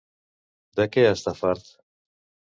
De què està fart?